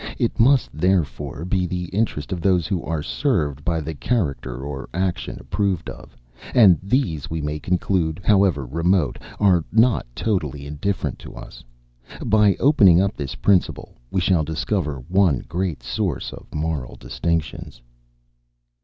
It must therefore be the interest of those who are served by the character or action approved of; and these, we may conclude, however remote, are not totally indifferent to us. By opening up this principle, we shall discover one great source of moral distinctions."